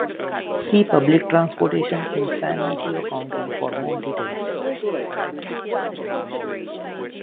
See public transportation in San Mateo County for more details.